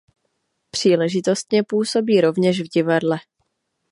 Příležitostně působí rovněž v divadle.